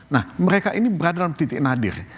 nah mereka ini berada dalam titik nadir